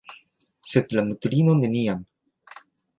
Sed la mutulino neniam